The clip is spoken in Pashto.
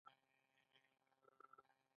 علت یې دا دی چې هغوی د ټولنې لپاره تولید کوي